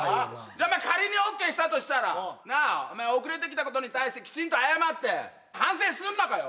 じゃあお前仮にＯＫしたとしたらなあお前遅れてきたことに対してきちんと謝って反省すんのかよ